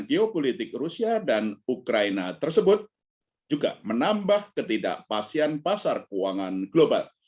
geopolitik rusia dan ukraina tersebut juga menambah ketidakpastian pasar keuangan global